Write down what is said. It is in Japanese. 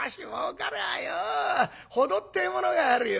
程ってものがあるよ。